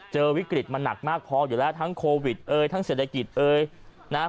เจอวิกฤตมันหนักมากพออยู่แล้วทั้งโควิดเอ่ยทั้งเศรษฐกิจเอยนะฮะ